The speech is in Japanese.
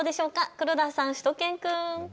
黒田さん、しゅと犬くん。